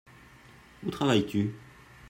Où travailles-tu ?